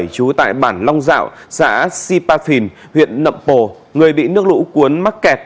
chú tại bản long dạo xã sipafin huyện nậm pồ người bị nước lũ cuốn mắc kẹt